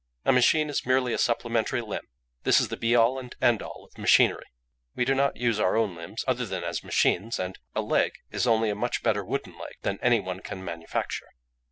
A machine is merely a supplementary limb; this is the be all and end all of machinery. We do not use our own limbs other than as machines; and a leg is only a much better wooden leg than any one can manufacture.